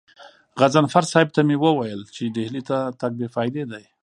غضنفر صاحب ته مې وويل چې ډهلي ته تګ بې فايدې دی.